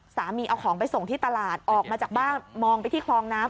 สามีเอาของไปส่งที่ตลาดออกมาจากบ้านมองไปที่คลองน้ำ